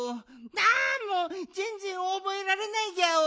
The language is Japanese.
あもうぜんぜんおぼえられないギャオ。